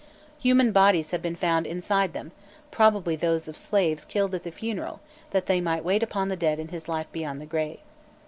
Human bodies have been found inside them, probably those of slaves killed at the funeral that they might wait upon the dead in his life beyond the grave.